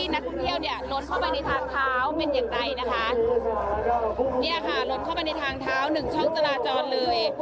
เนี่ยค่ะลดเข้าไปในทางเท้า๑ช่องจราจรเลย